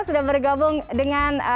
sudah bergabung dengan